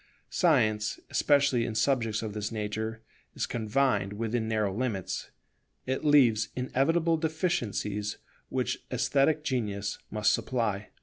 Science, especially in subjects of this nature, is confined within narrow limits; it leaves inevitable deficiencies which esthetic genius must supply.